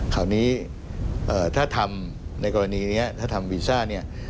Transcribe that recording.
คราวนี้ถ้าทำในกรณีนี้ถ้าทำวีซ่าเนี่ย